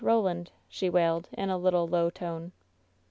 Roland !" she wailed, in a little, low tone.